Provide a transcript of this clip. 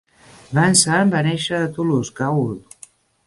Vincent va néixer a Toulouse, Gaul.